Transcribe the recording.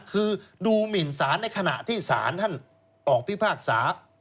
คือดูหมินศาลในขณะที่ศาลท่านออกพิภาคศาสตร์